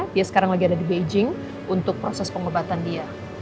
dia sekarang lagi ada di beijing untuk proses pengobatan dia